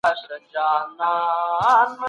تاسي په خپلو سترګو پام کوئ.